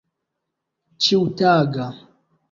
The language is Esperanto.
ĉiutaga